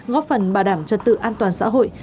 góp phần bảo đảm trật tự an toàn xã hội